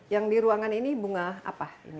yang di ruangan ini bunga apa